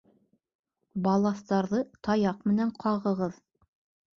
Балаҫтарҙы таяҡ менән ҡағығыҙ